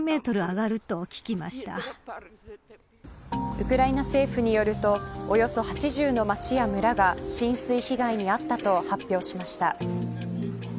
ウクライナ政府によるとおよそ８０の町や村が浸水被害に遭ったと発表しました。